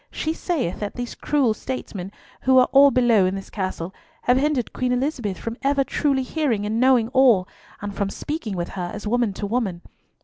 She saith that these cruel statesmen, who are all below in this castle, have hindered Queen Elizabeth from ever truly hearing and knowing all, and from speaking with her as woman to woman.